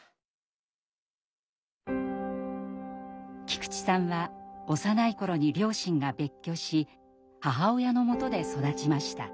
菊池さんは幼い頃に両親が別居し母親のもとで育ちました。